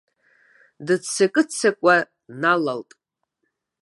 Дыццакы-ццакуа днанылт.